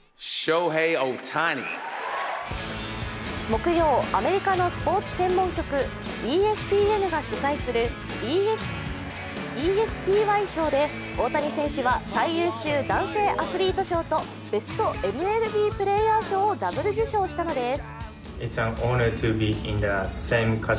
木曜、アメリカのスポーツ専門局・ＥＳＰＮが主催する、ＥＳＰＹ賞で大谷選手は最優秀男性アスリート賞とベストＭＬＢプレーヤー賞をダブル受賞したのです。